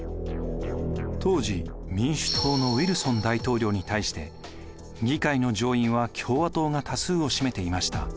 当時民主党のウィルソン大統領に対して議会の上院は共和党が多数を占めていました。